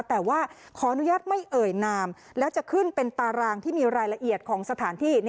แต่ว่าขออนุญาตไม่เอ่ยนามแล้วจะขึ้นเป็นตารางที่มีรายละเอียดของสถานที่